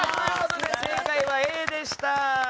正解はＡでした。